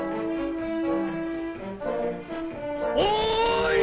おい！